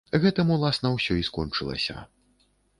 Гэтым, уласна, усё і скончылася.